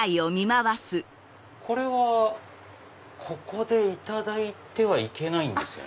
これはここでいただいてはいけないんですよね？